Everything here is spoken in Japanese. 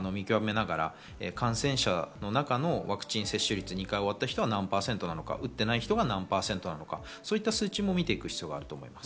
そこを見極めながら、感染者の中のワクチン接種率２回終わった人が何％なのか、打っていない人が何％なのか、そういった数値も見ていく必要があると思います。